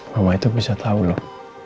mama itu bisa tau loh